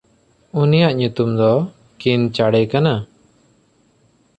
ᱩᱱᱤᱭᱟᱜ ᱧᱩᱛᱩᱢ ᱫᱚ ᱠᱤᱱᱪᱟᱰᱮ ᱠᱟᱱᱟ᱾